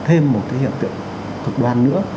thêm một cái hiện tiệm cực đoan nữa